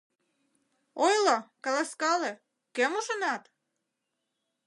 Ойло, каласкале: кӧм ужынат?